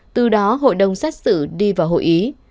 từ đó hội đồng xét xử đi vào hội ý